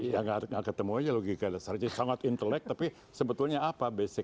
ya nggak ketemu aja logika dasarnya sangat intelek tapi sebetulnya apa bc